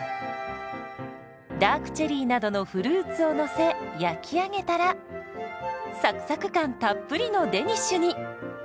ダークチェリーなどのフルーツをのせ焼き上げたらサクサク感たっぷりのデニッシュに。